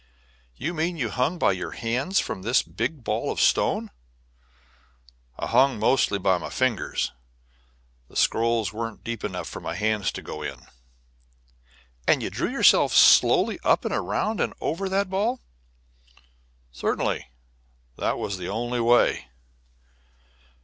"You mean you hung by your hands from this big ball of stone?" "I hung mostly by my fingers; the scrolls weren't deep enough for my hands to go in." "And you drew yourself slowly up and around and over that ball?" "Certainly; that was the only way."